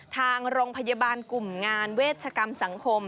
ทางโรงพยาบาลกลุ่มงานเวชกรรมสังคม